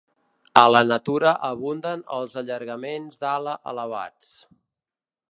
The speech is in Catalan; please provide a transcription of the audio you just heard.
A la natura abunden els allargaments d'ala elevats.